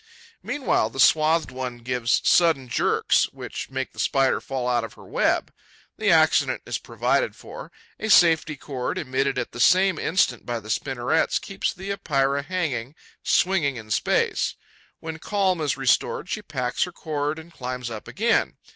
Meanwhile, the swathed one gives sudden jerks, which make the Spider fall out of her web. The accident is provided for. A safety cord, emitted at the same instant by the spinnerets, keeps the Epeira hanging, swinging in space. When calm is restored, she packs her cord and climbs up again.